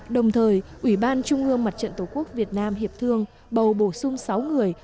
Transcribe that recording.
đồng thời ủy ban trung ương mặt trận tổ quốc việt nam hiệp thương bầu bổ sung sáu người